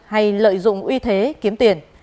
hay lợi dụng uy thế kiếm tiền